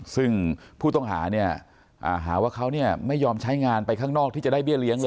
ซึ่งผู้ต้องหาเนี่ยหาว่าเขาไม่ยอมใช้งานไปข้างนอกที่จะได้เบี้ยเลี้ยงเลย